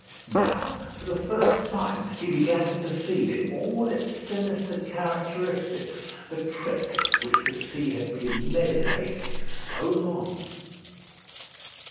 Now for the first time he began to perceive in all its sinister characteristics the trick which the sea had been meditating so long.